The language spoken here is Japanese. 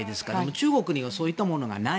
中国にはそういったものがない。